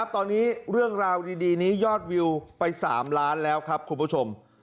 ตอนนี้เรื่องราวดีนี้ยอดวิวไป๓ล้านแล้วครับคุณผู้ชม